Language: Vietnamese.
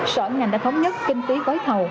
sở ngành đã thống nhất kinh phí gói thầu